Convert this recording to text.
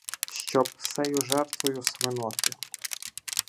Щоб сею жертвою свиноти